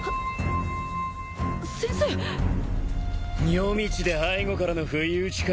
夜道で背後からの不意打ちかよ。